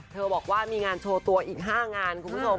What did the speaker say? บอกว่ามีงานโชว์ตัวอีก๕งานคุณผู้ชม